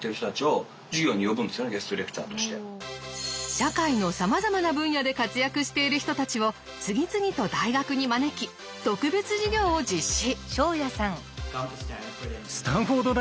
社会のさまざまな分野で活躍している人たちを次々と大学に招き特別授業を実施。